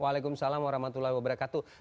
waalaikumsalam warahmatullahi wabarakatuh